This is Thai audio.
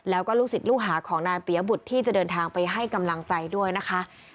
แล้วก็ลูกศิษย์ลูกหาของนายปียบุตรที่จะเดินทางไปให้กำลังใจด้วยนะคะ